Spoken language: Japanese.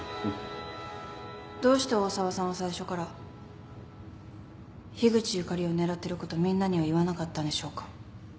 どうして大澤さんは最初から樋口ゆかりを狙ってることみんなには言わなかったんでしょうか？